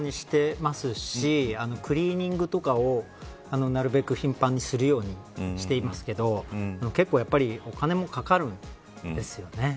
たまにしてますしクリーニングとかをなるべく頻繁にするようにしていますけど結構やっぱりお金もかかるんですよね。